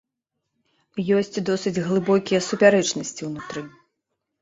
Ёсць досыць глыбокія супярэчнасці ўнутры.